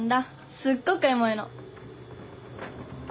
すっごくエモいの。